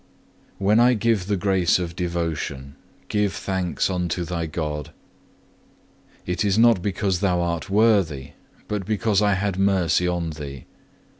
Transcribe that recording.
3. When I give the grace of devotion, give thanks unto thy God; it is not because thou art worthy, but because I had mercy on thee.